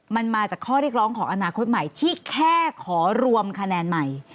มันมาจากข้อเรียกร้องของอนาคตใหม่ที่แค่ขอรวมคะแนนใหม่